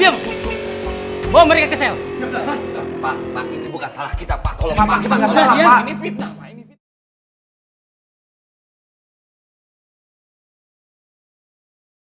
bawa mereka ke sel